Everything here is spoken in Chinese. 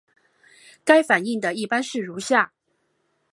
该反应的一般式如下。